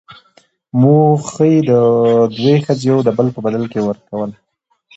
موخۍ، دوې ښځي يو دبل په بدل کي ورکول.